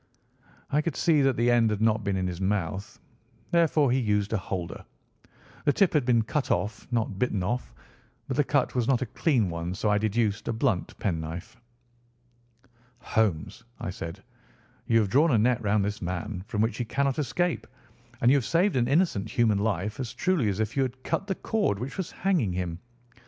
"I could see that the end had not been in his mouth. Therefore he used a holder. The tip had been cut off, not bitten off, but the cut was not a clean one, so I deduced a blunt pen knife." "Holmes," I said, "you have drawn a net round this man from which he cannot escape, and you have saved an innocent human life as truly as if you had cut the cord which was hanging him.